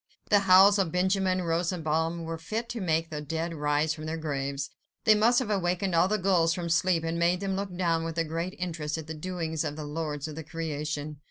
The howls of Benjamin Rosenbaum were fit to make the dead rise from their graves. They must have wakened all the gulls from sleep, and made them look down with great interest at the doings of the lords of the creation.